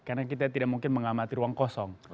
karena kita tidak mungkin mengamati ruang kosong